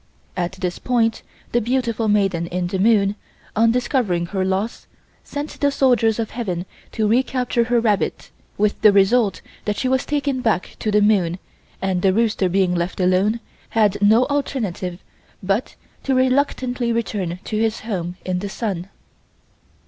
At this point, the beautiful maiden in the moon, on discovering her loss, sent the soldiers of Heaven to re capture her rabbit, with the result that she was taken back to the moon and the rooster being left alone, had no alternative but to reluctantly return to his home in the sun.